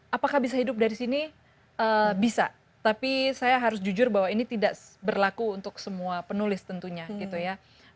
jadi saya harus jujur bahwa ini bisa tapi saya harus jujur bahwa ini tidak berlaku untuk semua penulis tentunya gitu ya